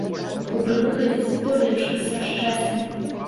У грыбы хадзіць і то лепш са шчасцем.